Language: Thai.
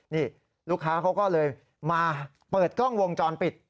นี่ลูกค้าเขาก็เลยมาเปิดกล้องวงจรปิด